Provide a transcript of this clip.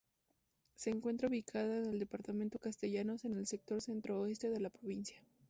Se encuentra ubicada en el departamento Castellanos, en el sector centro-oeste de la provincia.